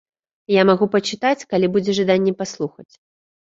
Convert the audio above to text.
Я магу пачытаць, калі будзе жаданне паслухаць.